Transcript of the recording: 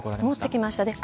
持ってきました。